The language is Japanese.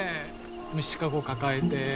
虫かごかかえて。